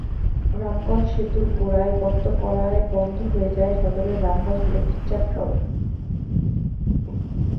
রামগঞ্জ সেতুর গোড়ায় গর্ত করায় বন্ধ হয়ে যায় সদরের রামগঞ্জ-লক্ষ্মীচাপ সড়ক।